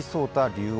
竜王